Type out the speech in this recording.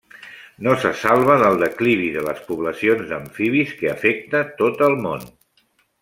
No se salva del declivi de les poblacions d'amfibis que afecta tot el món.